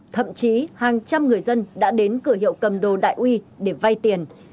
thậm chí hàng trăm người dân đã đến cửa hiệu cầm đồ đại uy để vay tiền